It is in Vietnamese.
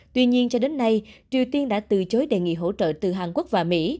tuy nhiên cho đến nay triều tiên đã từ chối đề nghị hỗ trợ từ hàn quốc và mỹ